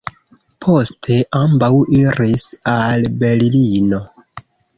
Poste ambaŭ iris al Berlino.